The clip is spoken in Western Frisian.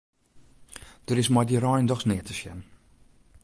Der is mei dy rein dochs neat te sjen.